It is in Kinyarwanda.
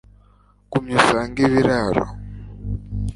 Gumya usange ibiraro